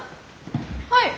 はい！